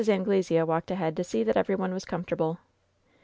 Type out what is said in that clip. Anglesea walked ahead to see that every one was comfortable.